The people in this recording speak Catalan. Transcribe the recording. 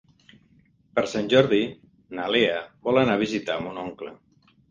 Per Sant Jordi na Lea vol anar a visitar mon oncle.